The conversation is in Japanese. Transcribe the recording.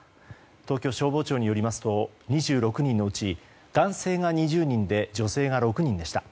東京消防庁によりますと２６人のうち男性が２０人で女性が６人でした。